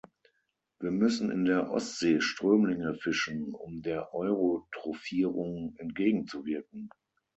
Wir müssen in der Ostsee Strömlinge fischen, um der Euro trophierung entgegenzuwirken.